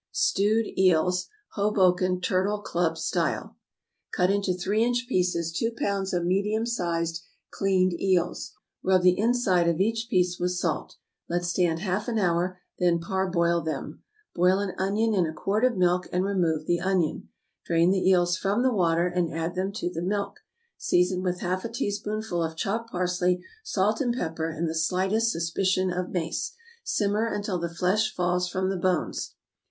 =Stewed Eels, Hoboken Turtle Club Style.= Cut into three inch pieces two pounds of medium sized cleaned eels. Rub the inside of each piece with salt. Let stand half an hour, then parboil them. Boil an onion in a quart of milk, and remove the onion. Drain the eels from the water, and add them to the milk. Season with half a teaspoonful of chopped parsley, salt and pepper, and the slightest suspicion of mace. Simmer until the flesh falls from the bones.